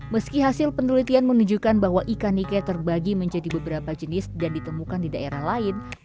meski hasil penelitian menunjukkan bahwa ikan nike terbagi menjadi beberapa jenis dan ditemukan di daerah lain